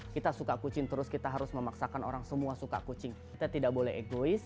kita suka kucing terus kita harus memaksakan orang semua suka kucing kita tidak boleh egois